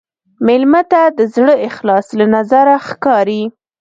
مېلمه ته د زړه اخلاص له نظره ښکاري.